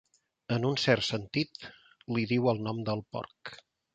En un cert sentit, li diu el nom del porc.